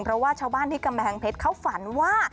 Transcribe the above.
เพราะว่าชาวบ้านที่กำแพงเพชรเขาฝันว่า